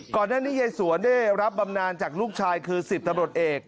ก่อนหน้านี้ยายสวนได้รับบำนานจากลูกชายคือ๑๐ตำรวจเอก